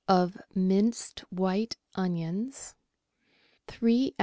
of minced white onions; three oz.